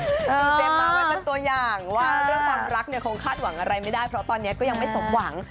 คือเจมส์มาไว้เป็นตัวอย่างว่าเรื่องความรักเนี่ยคงคาดหวังอะไรไม่ได้เพราะตอนนี้ก็ยังไม่สมหวัง